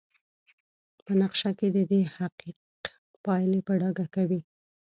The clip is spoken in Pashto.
په نقشه کې ددې حقیق پایلې په ډاګه کوي.